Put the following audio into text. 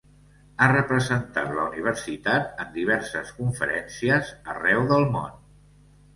Ha representat la universitat en diverses conferències arreu del món.